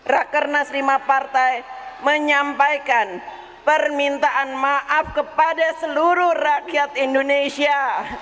rakyat kernas v partai menyampaikan permintaan maaf kepada seluruh rakyat indonesia